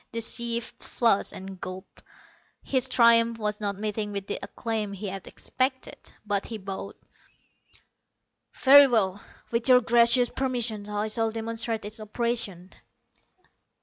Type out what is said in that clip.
The chief flushed, and gulped. His triumph was not meeting with the acclaim he had expected. But he bowed. "Very well. With your gracious permission I shall demonstrate its operation."